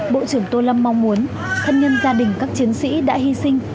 bộ trưởng tô lâm mong muốn thân nhân gia đình các chiến sĩ đã hy sinh